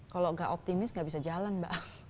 kalau gak optimis nggak bisa jalan mbak